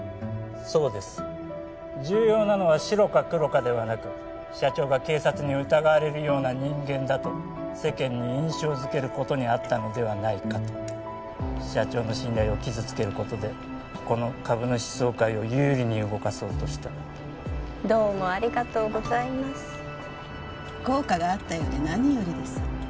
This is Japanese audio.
そうです重要なのは白か黒かではなく社長が警察に疑われるような人間だと世間に印象づけることにあったのではないかと社長の信頼を傷つけることでこの株主総会を有利に動かそうとしたどうもありがとうございます効果があったようで何よりです